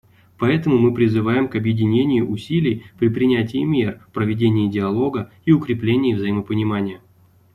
Поэтому мы призываем к объединению усилий при принятии мер, проведении диалога и укреплении взаимопонимания.